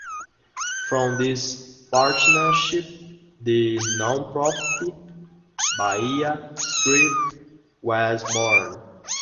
From this partnership, the nonprofit Bahia Street was born.